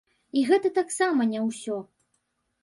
І гэта таксама не ўсё.